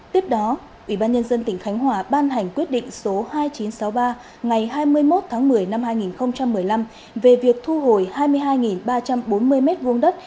tiếp đó ubnd tỉnh khánh hòa ban hành quyết định số hai nghìn chín trăm sáu mươi ba ngày hai mươi một tháng một mươi năm hai nghìn một mươi năm về việc thu hồi hai mươi hai ba trăm bốn mươi m hai đất